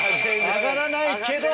上がらないけど！